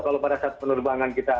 kalau pada saat penerbangan kita